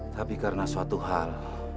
tapi karena suatu hal